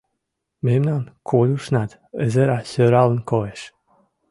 — Мемнан Колюшнат ызыра сӧралын коеш.